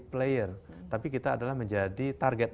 player tapi kita adalah menjadi target